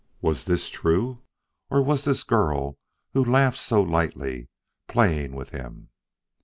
Was this true? Or was this girl, who laughed so lightly, playing with him?